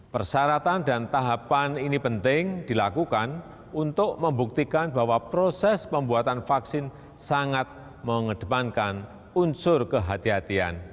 persyaratan dan tahapan ini penting dilakukan untuk membuktikan bahwa proses pembuatan vaksin sangat mengedepankan unsur kehatian